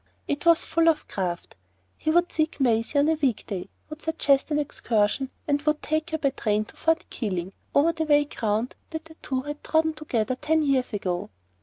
It was full of craft. He would seek Maisie on a week day,—would suggest an excursion, and would take her by train to Fort Keeling, over the very ground that they two had trodden together ten years ago.